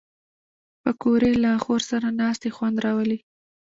پکورې له خور سره ناستې خوند راولي